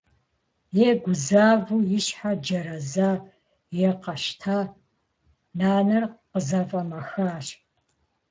Е гузавэу и щхьэр джэрэза е къэщта - нанэр къызэфӀэмэхащ.